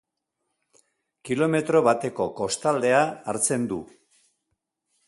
Kilometro bateko kostaldea hartzen du.